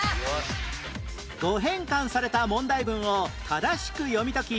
誤変換された問題文を正しく読み解き